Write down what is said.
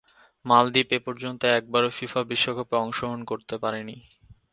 মালদ্বীপ এপর্যন্ত একবারও ফিফা বিশ্বকাপে অংশগ্রহণ করতে পারেনি।